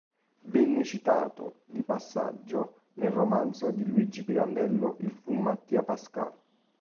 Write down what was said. Venne citato, di passaggio, nel romanzo di Luigi Pirandello "Il fu Mattia Pascal".